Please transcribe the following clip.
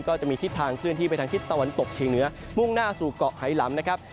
ก็จะมีทิศทางเคลื่อนที่ไปทางทิศตะวันตกเฉียงเหนือมุ่งหน้าสู่เกาะไฮลำนะครับ